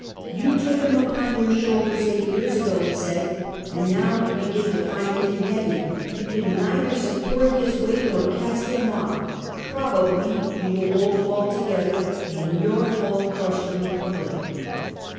You took him upon your shoulders eight years ago," he said, and now you begin to find him heavy. You can neither support his weight nor cast him off; pro bably you will both fall together, and in your fall crush the Republic."